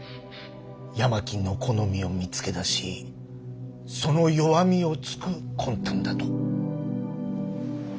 八巻の好みを見つけ出しその弱みをつく魂胆だと。